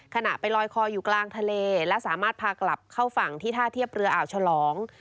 ขณะไปลอยคออยู่กลางทะเลและสามารถพากลับเข้าฝั่งที่ท่าเทียบเรืออ่าวฉลอง